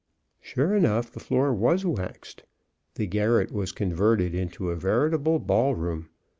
Sure enough, the floor was waxed. The garret was converted into a veritable ball room.